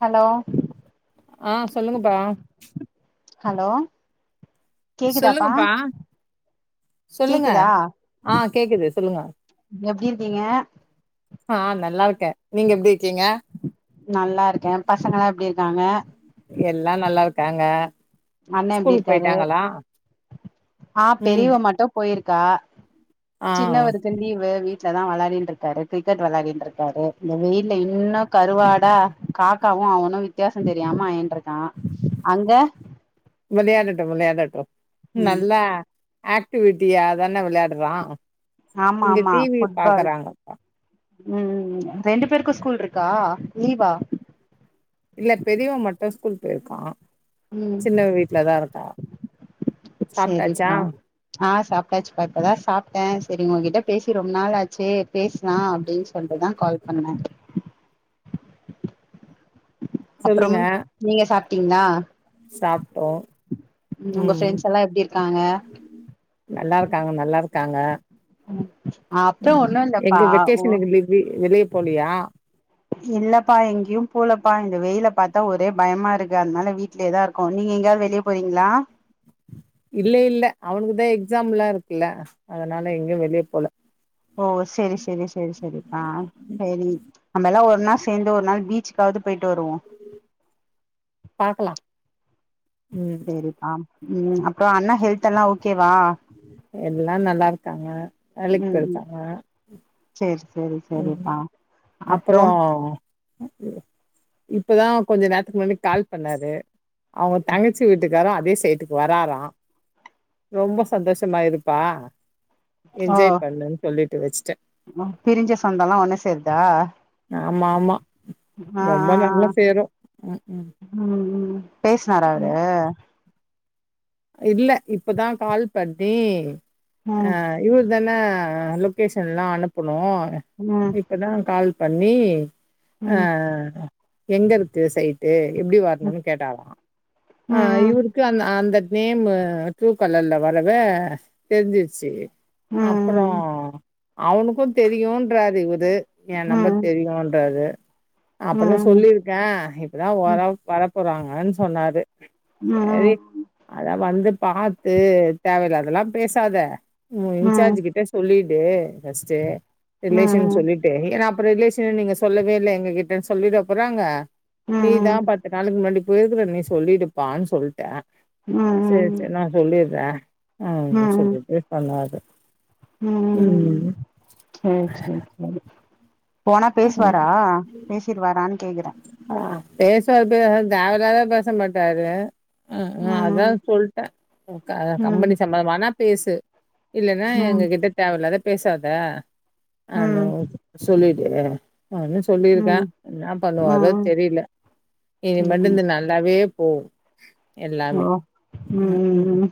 Hello ஆஹ் சொல்லுங்கப்பா hello கேக்குதாப்பா சொல்லுங்கப்பா சொல்லுங்க கேக்குதா ஆஹ் கேக்குது சொல்லுங்க ருக்கீங்க ஆஹ் நல்லா இருக்கேன் நீங்க எப்படி இருக்கீங்க நல்லா இருக்கேன் பசங்கலாம் எப்படி இருக்காங்க எல்லாம் நல்லா இருக்காங்க அண்ணன் எப்படி ஸ்கூலுக்கு இருக்காரு போயிட்டாங்களா ஆஹ் ம் பெரியவ மட்டும் போயிருக் கா ஆ சின்னவருக்கு லீவு வீட்டு தான் விளையாடின்னு இருக்காரு கிரிக்கெட் விளையான்னு இருக்காரு இந்த வெயில்ல இன்னும் கருவாடா காக்காவும் அவனும் வித்தியாசம் தெரியாம ஆயின்றுக் ன் அங்க விளையாடட்டும் விளையாடட்டும் ம் நல்லா ஆக்டிவிட்டியா தானே விளையாடுறான் ஆமா ஆமா ஃபுட்பால் உம் ரெண்டு பேருக்கும் ஸ்கூல் இருக்கா லீவா இல்ல பெரியவ மட்டு ஸ்கூல் போயிருக்கா உம் சின்னவ வீட்லதா இருக்கா சாப்ட்டாச்சா சரிப்பா ஆஹ் சாப்பிட்டாச்சுப்பா இப்பதா சாப்பிட்ட சரி உகிட்ட பேசி ரொம்ப நாள் ஆ சரி பேசலா அப்படின்னு சொல்லிட்டுதா கால் பண்ண அப்புறம் சொல்லுங்க நீங்க சாப்ப ட்டீங்களா சாப்ட்டோ உம் உங்க ம் ப்ரெண்ட்ஸ் எல்லாம் எப்டி இருக்காங்க க்காங்க நல்லா இருக்காங்க அப்புறோ உஹ ஒண்ணு இல்லப்பா எங்க வெக்கேஷ ஓ இல வெளி போலியா இல்லப்பா எங்கேயு போலப்பா இந்த வெயில பாத்தா ஒரே பயமா இருக்கு அதனால வீட்டுலயேதா இருக்கோ நீங்க எங்கேயாவது வெளிய போறீங்களா இல்ல இல்ல அவனுக் தா எக்ஸாம்லா இரு இல்ல அதனால எங்கேயு வெளிய போல ஓ சரி சரி சரி அ சரி நம எல்லா ஒ ஒன்னா சேந்து ஒரு நாள் பீச்சுக்காவது போயிட் ருவோ பாக்கலா ம் சரிப்பா உம் அப்புற அண்ணா ஹெல்துல்லா ஓகே எல்லா நல்லா இருக்காங்க வேலைக்கு போயிருக்காங்க சரி ம் சரிப்பா அப்புற அப்பறோ இப்பதா கொஞ்ச நேரத்துக்கு முன்னாடி கால் பண்ணாரு அவங்க தங்கச்சு வீட்டுக்காரு அதே சைட்டுக்கு வரறா ரொம்ப சந்தோஷமா இருப்பா ஓ என்ஜாய் பண்ணுன்னு சொல்லிட்டு வச்சிட்டு பிரிஞ்ச சொந்தம்ல்லா ஒண்ணு சேதா ஆமா ஆமா ரொம்ப நல்லா ஆஹ் சேரு ம் ம் உஹம் பேசனார அவரு ம் இல்ல இப்பதா கால் பண்ணி ம் ஆஹ் இவ அதான லொக்கேஷன்லா அனுப்பணு ம் இப்பதா கால் பண்ணி ம் ஆஹ் எங்க இருக்கு சைட்டு எப்படி ம் வரணும்னு கேட்டாலா ம் இவருக்கு அந்த அந் நேமு ட்ரூ காலர்ல வரவே தெரிஞ்சிடுச்சு ம் அப்புறோ ம் அவனுக்கு தெரியுன்றாரு இவுரு ஏன் நம்பர் ம் தெரியும்ன்ராரு அப்டிதா ம் சொல்லிருக்கே இப்பதா வர வர போறாங்கன்னு சொன்னாரு சரி ம் அத வந்து பாத்து தேவல்லாதல்லா பேசாத ம் இன்சார்ஜிக்கிட்ட சொல்லி டே ஃபஸ்ட்டு ரிலேஷன் ம் சொல்லிட்டே [unintelligible] இப்போ ரிலேஷன் நீங்க சொல்லவே இல்ல எங்கக்கிட்ட சொல்லிட போறாங்க நீதா பத்து நாளுக்கு முன்னாடி பேதுல நீ சொல்லிடுப்பான்னு சொல்ட்டே சரி ம் ம் சரி நான் சொல்லிரே வே அலோ சொல்லிட்டு சொன்னாரு ம் ம் ம் சேர் சேர் தோழி போனா பேசுவாரா பேசிடுவாரா கேக்குறே பேசதாதெவலாதா பேச மாட்டாரு அ அதா ம் சொல்ட்டே க ம் கம்பெனி சம்பந்மானா பேசு இல்லன்னா ம் எங்கக்கிட்ட தேவல்லாத பேசாத ம் அலோ ம் சொல்லி ஏயா அதா சொல்லிருக்கே ம் என்ன வரோ ம் தெரியல இனி சேரி மட்டு இந்த நல்லாவே கே போ ஆ ம் ம் ம்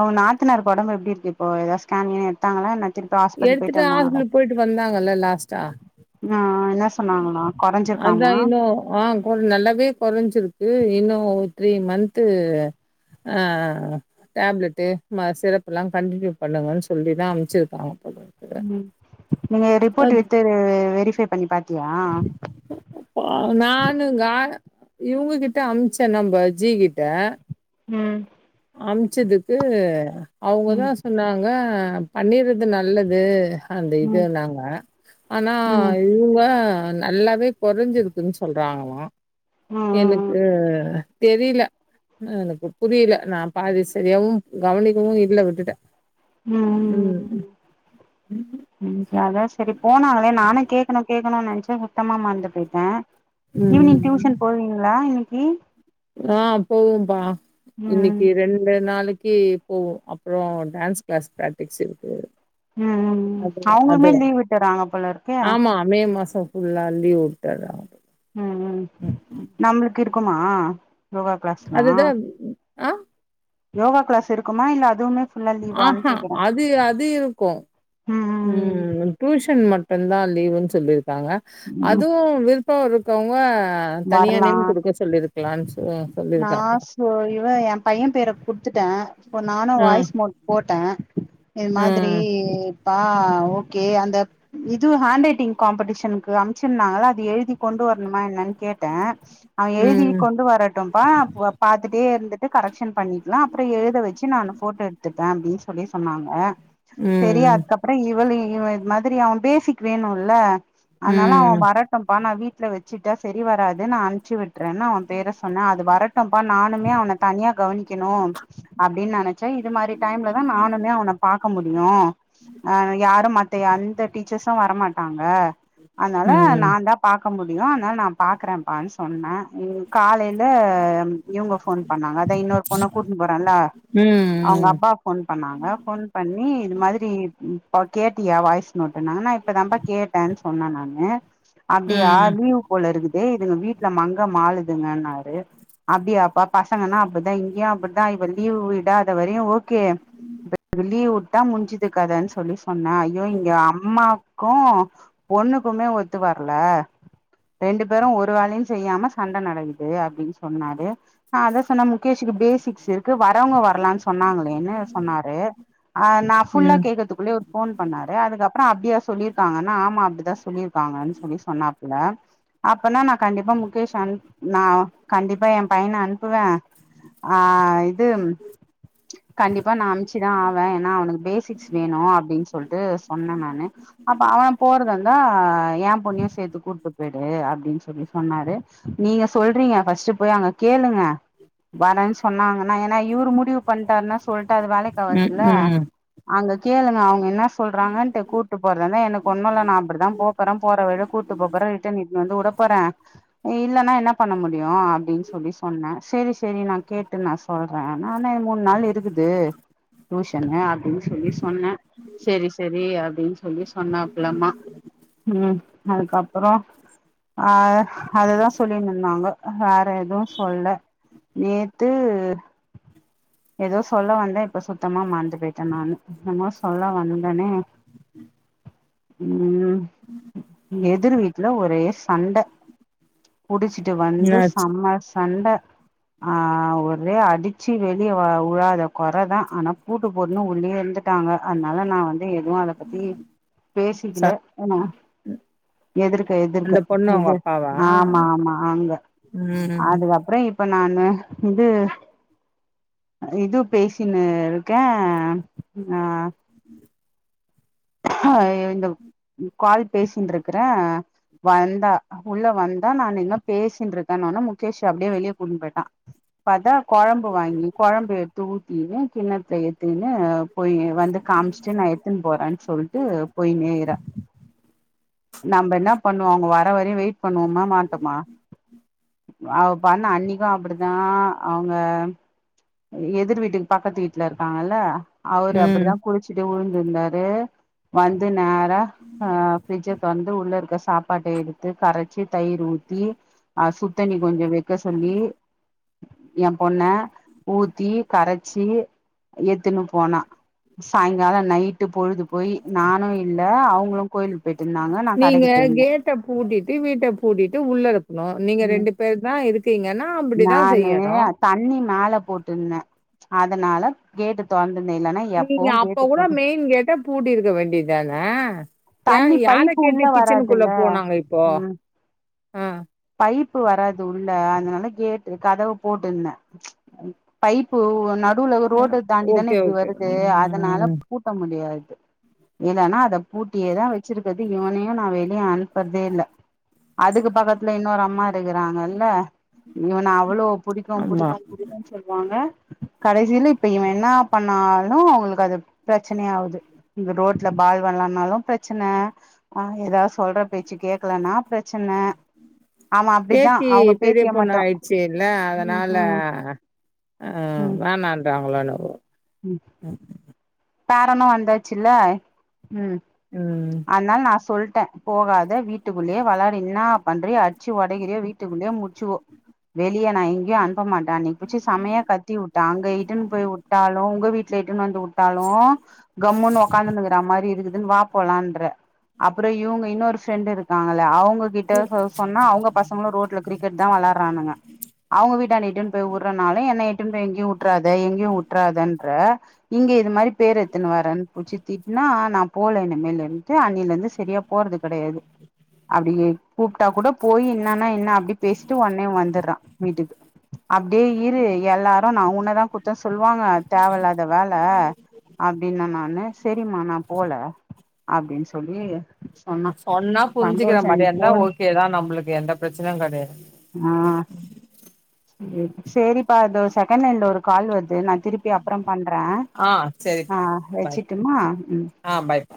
உங்க நாத்தனாருக்கு ஒடம்பு எப்பிடி இருக்கு இப்போ ஏதாவது ஸ்கேன்னு எடுத்தாங்களா என்ன திருப்பி ஹாஸ்பிட்டல் போயிட்டு எடுத்துட்டு வந்தாங்களா ஹாஸ்பிட்டல் போயிட்டு வந்தாங்கல்ல லாஸ்டா ஆ என்ன சொன்னாங்களா கொறஞ்சிருக்காமா அதான் இன்னும் ஆங் நல்லாவே கொறைஞ்சிருக்கு இருக்கு இன்னும் த்ரீ மந்த்து ஆங் டேப்லெட்டு மறு சிரப்பலாம் கன்டினியூ பண்ணுங்கன்னு சொல்லி தான் அமுச்சுருக்காங்க ம் நீங்க ரிப்போர்ட் வச்சி வெரிபை பண்ணி பாத் ஆ நானுங்க இவங்ககிட்ட அமுச்சேன் நம்ம ஜி கிட்ட ம் அமுச்சதுக்கு ம் அவங்கதான் சொன்னாங்க பண்ணிறது நல்லது அந்த ம் இதுனாங்க ஆனா ம் ம் இவங்க நல்லாவே கொறைஞ்சிருக்குது சொல்றாங்களாம் எனக்கு ம் தெரியல எனக்கு புரியல நான் பாதி சரியாவும் கவனிக்கவும் இல்ல விட்டுட்டேன் ம் ம் ம் ம் அதான் சரி போனாங்களே நானே கேக்கணும் கேக்கணும்னு நெனைச்சேன் சுத்தமா மறந்து போயிட்டேன் ஈவினிங் டியூஷன் போவீங்களா இன்னை நீ ஆங் போவும்பா ம் இன்னைக்கி ரெண்டு நாளைக் இன்னைக்கி போவோம் அப்பறம் டான்ஸ் கிளாஸ் பிராக்டிஸ் இருக்கு ம் ம் ம் அது அது அவங்களுமே லீவ் விட்டுறாங்க போலருக்கே இப்ப புல்லா லீவு வுட்டுறாங்க ம் ம் நம்மளுக்கு இருக் இருக்குமா யோகா கிளாஸ்லா அதுதான் ஆங் யோகா கிளாஸ் இருக்குமா இல்ல அதுவுமே ஃபுல்லா லீவான்னு ஆங்க கேக்குறே அது அது இருக்கும் ம் டியூஷன் மட்டும்தான் லீவுன்னு சொல்லிரு இருக்காங்க அதுவும் விருப்பம் இரு ஒருத்தவங்க வரலாம் சொ சொல்லியிருக்காங்க. நான் சொ இவன் என் பையன் பேரை குடுத்துட்டேன் இப்ப நானும் ஆ, வாய்ஸ் மோட் போட்டேன் இது மாதிரி ம், அ ஓகே அந்த இது ஹேண்ட் ரைட்டிங் காம்படிஷனுக்கு அனுப்சுருன்தாங்களே அது எழுதி கொண்டு வரணுமா கேட்டேன் அவன் எழுதி ம், கொண்டு வரட்டுப்பா பாத்துட்டே இருந்துட்டு கரெக்ஷன் பண்ணிக்கலாம் அப்புறம் எழுத வச்சு நான் போட்டோ எடுத்துப்பேன் அப்படின்னு சொல்லி சொன்னாங்க சரி ம், அதுக்கப்புறம் இவளி இவன் இது மாதிரி அவன் பேசிக் வேணும்ல்ல ம், அதனால அவன் ம், வரட்டும்ப்பா நான் வீட்டு ல வச்சுட்டா சரி வராது நான் அனுப்ச்சு விட்டுறேன்னு அவன் பேர சொன்னேன் அது வரட்டப்பா நானுமே அவனை தனியா கவனிக்கணும் அப்படின்னு நினைச்சேன் இது மாதிரி டைம்ல தான் நானுமே அவனை பாக்க முடியும் ஆஹ யாரும் மத்த அந்த டீச்சர்ஸும் வரமாட்டாங்க அதனால ம், நான் தான் பார்க்க முடியும் அதனால நான் பாக்குறேன்ப்பான்னு சொன்னன் காலைய இவங்க போன் பண்ணாங்க அத இன்னொரு பொண்ண கூட்டு போறேன்ல அவங்க ம், அப்பா போன் பண்ணாங்க போன் பண்ணி இது மாதிரி கேட்டியா வாய்ஸ் நோட்டு ந இப்பதான்ம்ப கேட்டேன் சொன்னேன் நானு அப்படியா ம். லீவு போல இருக்குது இதுங்க வீட்டுல மங்க மாளுதுங்கன்னாரு அப்படியாப்பா பசங்கன்னா அப்படித்தான் இங்கயும் அப்படித்தான் இவ லீவ் விடாத வரையும் ஓகே லீவ் விட்டா முடிஞ்சுது கதைன்னு சொல்லி சொன்னா ஐயோ இங்க அம்மா கோ பொண்ணுக்குமே ஒத்து வரல ரெண்டு பேரு ஒரு வேலையு செய்யாம சண்ட நடக்குது அப்டின்னு சொன்னாரு அத சொன்ன முகேஷ்க்கு பேசிக்ஸ் இருக்கு வரவங்க வரலான் சொன்னாங்களேன்னு சொன்னாரு நா ஃபுல்லா ம் கேக்கத்துக்குள்ளே ஒரு ஃபோன் பண்ணாரு அதுக்கப் அப்புற அப்டியா சொல்லியிருக்காங்கன்னா ஆமா அப்டிதா சொல்லியிருக்காங்கன்னு சொல்லி சொன்னாப்புல அப்பன்னா நா கண்டிப்பா முகேஷ் அன் நா கண்டிப்பா என் பையன அனுப்புவே ஆஹ் இது கண்டிப்பா நா அனுப்ச்சு ச்சி தா ஆவே ஏனா அவனுக்கு பேசிக் வேணு அப்டின் சொல்ட்டு சொன்ன நானு அப்ப அவ போறதாருந்தா எ பொண்ணயு சேத்து கூட்டுப் பேயிட் டு அப்டின்னு சொல்லி சொன்னாரு நீங்க சொல்றீங்க ஃபர்ஸ்ட் போய் கேளுங்க வரன்னு சொன்னாங்கன்னா ஏனா இவுரு முடிவு பண்ட்டாருன்னா சொல் ட்டா அது ம் வேலைக்காவதுல்ல ம் அங்க கேளுங்க அவங்க என்ன சொல்றாங்கன்ட்டு கூப்ட்டு போற தா என்ன ஒன்னுல்ல நா அப்டிதா போப்போற போற வழியில கூப்ட்டு போப்போறே ட்டு நீ வந்து உட போறே இல்லன்னா என்ன பண்ண முடியு அப்டின்னு சொல்லி சொன்ன சேரி சேரி நா கேட்டு நா சொல்றே ஆனா மூணு நாள் இருக்குது டியூஷன்னு அப்டின்னு சொல்லி சொன்னே சேரி சேரி அப்டின்னு சொல்லி சொன்னாப்புள்ளமா ம் அதுக்கபுறோ அ அதுதா சொல்லி தந்தாங்க வேற எதுவு சொல்ல நேத்து ஏதோ சொல்ல வந்தே இப்ப சுத்தமா மறந்து போயிட்டே நானு என்னமோ சொல்ல வந்தனே உம் எதிர்வீட் ல ஒரே சண்ட குடிச்சிட்டு வந்து என்னாச்சு செம சண்ட அ ஒரே அடிச்சு வெளியே உழாத கொறதா ஆனா பூட்டு போட்டுன்னு உள்ளேயே இருந்துட்டாங்க அதனால நா வந்து எதுவு அதப் பத்தி ச பேசிக்கல என்ன எதிர்க எதிர்க்க அந்த பொண்ணு உங்க எது அப்பாவா ஆமா ஆமா அங்க ம் அதுக்கப்புறோ இ இப்ப நானு இது இது பேசினுருக்கே அ ஐயோ இந்த கால் பேசின்ட்டுருக்கறே வந்தா உள்ள வந்தா நானுயிங்க பேசின்ட்ருக்கேன்னோன முகேஷ் அப்டியே வெளியே கூப்டிட்டு போயிட்டா பாத்தா கொழம்பு வாங்கி கொழம்பு எடுத்து திக்கின்னு கிண்ணத்துல எடுத்துக்கின்னு போய் வந்து காமிச்சிட்டு நா எடுத்துன்னு போற சொல் ட்டு போய்னேயிருக்றா நம்பயென்ன பண்ணுவோ அவுங்க வர வரயு வெயிட் பண்ணுவோமா மாட்டோமா அவபன்னா அன்னிக்கு அப்டித்தா அவங்க எதிர் வீட்டுக்கு பக்கத்து வீட்லருக்காங்கல்ல அவரு ம் அப்டிதா குளிச்சுட்டு உழுந் யிருந்தாரு வந்து நேர் ரா அ ஃபிரிட்ஜ தொறந்து உள்ளருக்க சாப்பாட்ட எடுத்து கரச்சு தயிர் ஊத்தி அ சுடுத்தண்ணி கொஞ்சோ வெக்க சொல்லி எ பொண்ண ஊத்தி கரச்சி எட்த்துனு போனா சாயங்கால நைட்டு பொழுது போய் நானு இல்ல அவங்களு கோயிலுக்கு போயிட்டு இருந்தாங்க நா நீங்க கடைக்கு போயிருந்தே கேட்ட பூட்டிட்டு வீட்ட பூட்டிட்டு உள்ள னோம் நீங்க ம் ரெண்டு பேர் தாயிருக்கீங்கன்னா அப்டிதான் செய்யணும் போட்டிருந்தேன் அதனால கேட்ட தொறந்து நீங்க அப்ப கூட மெயின் கேட்ட பூட்டிருக்கவேண்டிதானே தண்ணி பைப்பு வுள்ள வராதுல்ல போனாங்க இப்போ உம் ஆ பைப்பு வராது உள்ள னாலகேட்டு கதவு போட்டுந்தே பைப்பு [unintelligible] அ ரோடு தாண்டி தானே ஓகே யிப்டி ஓகே வருது அதனால ம் பூட்ட முடியாது யில்லனா அத பூட் பூட்டியே தான் வச்சிருக்கது யிவனையும் நான் வெளியே அனுப்புறதேயில்ல அதுக்கு பக்கத்துல யின்னொரு அம்மாருக்கிறாங்கல்ல யிவன அவ்ளோ புடிக்கும் ஆமா புடிக்கும் புடிக்கொம் சொல்லுவாங்க கடைசியில யிப்ப யிவன் யென்ன பண்ண னாலும் அவங்களுக்கு அது பிரச்சனையாவுது யிந்த ரோட்ல பால் வெளாட்னாலும் பிரச்சன ஆஹ் யேதாவது சொல்றபேச்சு கேக்கலனா பிரச்ச பேத்தி அவங்க பெரிய பேத்திய மட்டு பொண்ணாயிடுச்சில்ல ம் அதனால ம் அஹ் ம் வேணண்றாங்களோ யென்னவோ பேரனும் வந்தாச்சுல்ல ம் அத்னால நான் சொல் - ட்டே போகாத வீட்டுக்குள்ளேயே வெளாடு இன்ன பண்றியோ அச்சு ஒடைகிறியோ வீட்டுக்குள்ளேயே முடிச்சுகோ வெளியே நா எங்கேயு அ க்க மாட்டா அன்னைக்கி புடிச்சி செமையா கத்திவுட்ட அங்க இட்டன் போய் உட்டாலு உங்க வீட் சேட்டன் நன்தோட் ட்டாலு கம்முன்னு உக்காந்துன்னு இருக்கற மாரி இருக்குத் தன் வா போலான்ற அப்புறோ இவுங்க இன்னொரு ஃபிரெண்ட்ருக்காங்கள அவங் ம் கிட்ட சொன்னா அவங்க பசங்களு ரோட்ல கிரிக்கெட் தா வளாறானங்க அவங்க வீட்ட ட்டுன் போய் உடறனால என்ன இட்டுன் போய் எங்கேயு உட்றாத எங்கேயு உட்றதன்ற இங்கே இது மாரி பேர் எத்துன்னு வரேன் புச்சித்திட்னா நா போல இன்மேலுன்ட்டு அன்னிலேருந்து செரியா போறது கடையாது அப்டி கூப்ட்டா கூட போய் என்னான்னா என்னா அப்டி பேசிட்டு ஒன்னே வந்தர்றே வீட்டுக்கு அப்டியே இரு எல்லாரு நா ஒன்னதா குடுத்த சொல்வாங்க தேவல்லாத வேல அப்டின்ன நானு செரிம்மா நா போல அப்டின்னு சொல்லி சொன்னா புரிஞ்சிக்கிற சந்தோஷ நீ மாரியே இருந்தா போடா ஓகேதா நம்பளுக்கு எந்த பிரச்சனையு கெடையாது ம் சேரிப்பா தோ செகண்ட் லைன்ல ஒரு கால் வருது நா திருப்பி அப்புறம் பண்ற ஆ ஆ செரிப்பா பாய் வச்சிட்டுமா ம் ஆ பாய்ப்பா